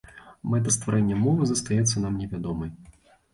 Мэта стварэння мовы застаецца нам невядомай.